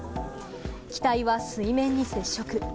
機体は水面に接触。